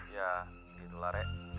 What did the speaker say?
ya gitulah rek